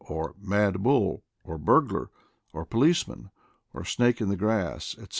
or "Mad Bull," or "Burglar," or "Police man," or "Snake in the Grass," etc.